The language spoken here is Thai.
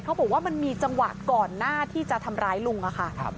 เขาบอกว่ามันมีจังหวะก่อนหน้าที่จะทำร้ายลุงอะค่ะ